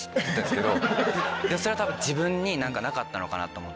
それは多分自分に何かなかったのかなと思って。